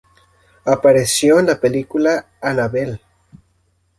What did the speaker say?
Apareció en la película "Annabelle".